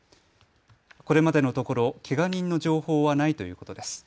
これまでのところ、けが人の情報はないということです。